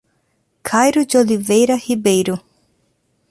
Cairo de Oliveira Ribeiro